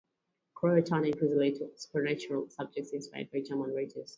Crowe turned increasingly to supernatural subjects, inspired by German writers.